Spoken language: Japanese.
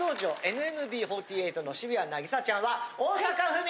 ＮＭＢ４８の渋谷凪咲ちゃんは大阪府民！